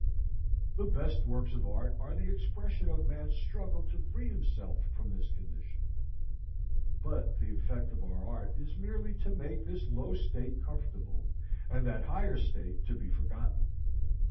The best works of art are the expression of man's struggle to free himself from this condition, but the effect of our art is merely to make this low state comfortable and that higher state to be forgotten.